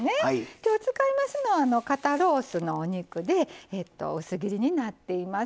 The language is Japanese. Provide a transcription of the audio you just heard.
今日使いますのは肩ロースのお肉で薄切りになっています。